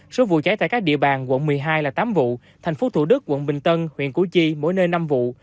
số vụ cháy tại các địa bàn quận một mươi hai là tám vụ tp thủ đức quận bình tân huyện củ chi mỗi nơi năm vụ